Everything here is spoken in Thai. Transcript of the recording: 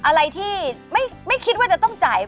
อะไรที่ไม่คิดว่าจะต้องจ่าย